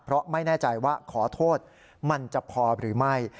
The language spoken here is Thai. เพราะไม่แน่ใจว่าขอโทษมันจะพอหรือไม่